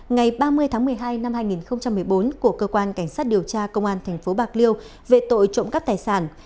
năm hai nghìn một mươi bốn của cơ quan cảnh sát điều tra công an thành phố bạc liêu về tội trộm cắp tài sản